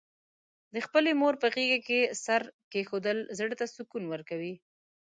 د خپلې مور په غېږه کې سر لږول، زړه ته سکون ورکوي.